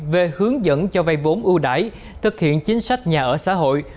về hướng dẫn cho vây bốn ưu đải thực hiện chính sách nhà ở xã hội